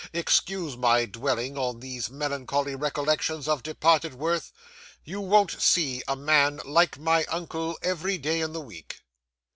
Excuse my dwelling on these melancholy recollections of departed worth; you won't see a man like my uncle every day in the week.